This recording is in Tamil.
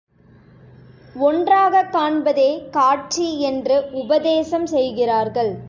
ஒன்றாகக் காண்பதே காட்சி என்று உபதேசம் செய்கிறார்கள்.